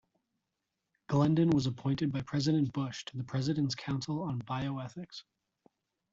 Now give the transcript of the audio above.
Glendon was appointed by President Bush to the President's Council on Bioethics.